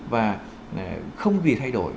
và không gì thay đổi